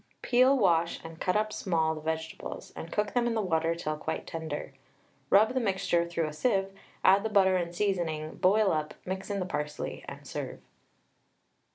Peel, wash, and cut up small the vegetables, and cook them in the water till quite tender. Rub the mixture through a sieve, add the butter and seasoning, boil up, mix in the parsley, and serve.